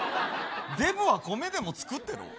デブは米でも作ってろ。